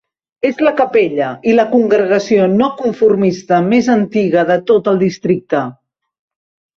És la capella i la congregació no-conformista més antiga de tot el districte.